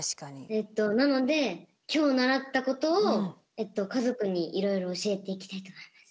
えっとなので今日習ったことを家族にいろいろ教えていきたいと思います。